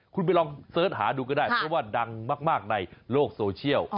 คุณไปลองเสิร์ชหาดูก็ได้เพราะว่าดังมากในโลกโซเชียล